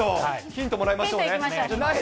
ヒントもらいましょうね。